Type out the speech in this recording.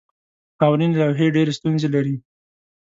خاورینې لوحې ډېرې ستونزې لري.